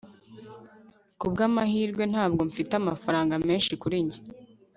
kubwamahirwe, ntabwo mfite amafaranga menshi kuri njye